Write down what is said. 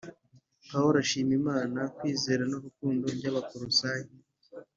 Pawulo ashimira Imana kwizera n’urukundo by’Abakolosayi